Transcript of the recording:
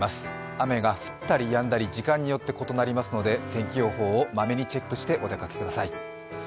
雨が降ったりやんだり、時間によって異なりますので、天気予報をまめにチェックしてお出かけください。